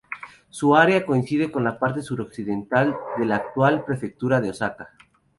Su área coincide con la parte suroccidental de la actual prefectura de Osaka.